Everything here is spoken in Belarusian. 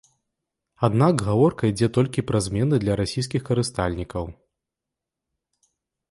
Аднак гаворка ідзе толькі пра змены для расійскіх карыстальнікаў.